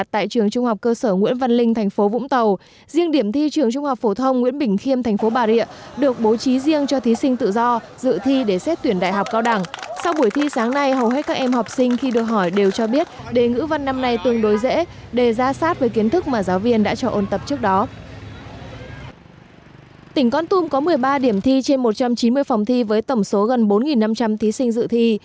tỉnh con tum có một mươi ba điểm thi trên một trăm chín mươi phòng thi với tổng số gần bốn năm trăm linh thí sinh dự thi